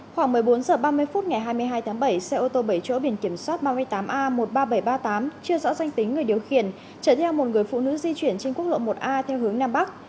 khoảng một mươi bốn h ba mươi phút ngày hai mươi hai tháng bảy xe ô tô bảy chỗ biển kiểm soát ba mươi tám a một mươi ba nghìn bảy trăm ba mươi tám chưa rõ danh tính người điều khiển trở theo một người phụ nữ di chuyển trên quốc lộ một a theo hướng nam bắc